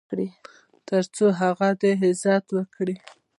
تر څو هغه دې عزت وکړي .